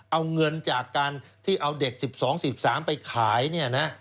เอาเงินจากการที่เอาเด็ก๑๒๑๓ไปขายเนี่ยนะ